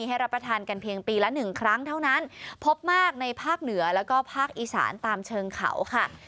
รับประทานกันเพียงปีละหนึ่งครั้งเท่านั้นพบมากในภาคเหนือแล้วก็ภาคอีสานตามเชิงเขาค่ะ